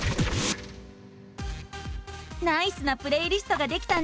ナイスなプレイリストができたんじゃない！